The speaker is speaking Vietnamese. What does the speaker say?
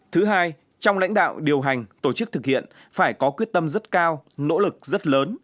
thứ hai trong lãnh đạo điều hành tổ chức thực hiện phải có quyết tâm rất cao nỗ lực rất lớn